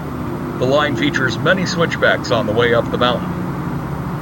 The line features many switchbacks on the way up the mountain.